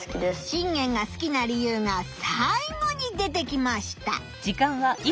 信玄が好きな理由がさい後に出てきました。